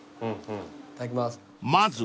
いただきます。